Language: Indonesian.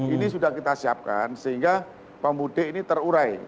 ini sudah kita siapkan sehingga pemudik ini terurai